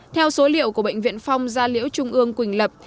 theo số liệu của bệnh viện phong gia liễu trung ương quỳnh lập